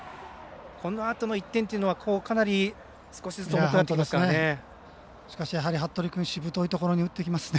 このあとの１点というのはかなり少しずつ重くなってきますね。